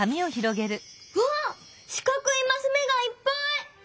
うわっしかくいマスめがいっぱい！